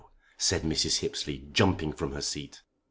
said Mrs. Hippesley, jumping from her seat.